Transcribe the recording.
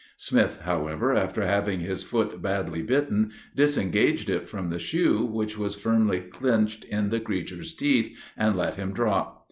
Smith, however, after having his foot badly bitten, disengaged it from the shoe, which was firmly clinched in the creature's teeth, and let him drop.